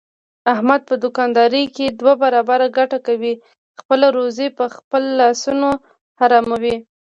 احمد په دوکاندارۍ کې دوه برابره ګټه کوي، خپله روزي په خپلو لاسونو حراموي.